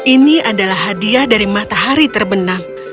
ini adalah hadiah dari matahari terbenam